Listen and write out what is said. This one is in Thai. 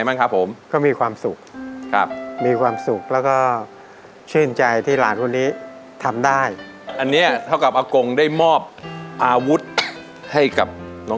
ไม่มีใครปล้นจากเราได้นะครับคือความรู้นะครับ